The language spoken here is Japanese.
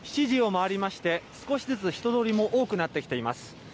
７時を回りまして、少しずつ人通りも多くなってきています。